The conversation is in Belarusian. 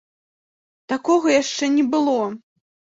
Такога яшчэ не было!